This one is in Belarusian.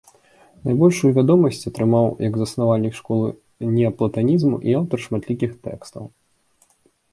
Найбольшую вядомасць атрымаў як заснавальнік школы неаплатанізму і аўтар шматлікіх тэкстаў.